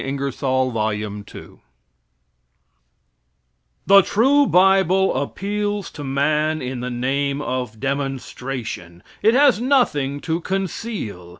Ingersoll's Lecture on The Bible The true bible appeals to man in the name of demonstration. It has nothing to conceal.